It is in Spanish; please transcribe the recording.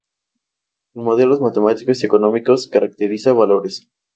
En modelos matemáticos y económicos, caracteriza valores.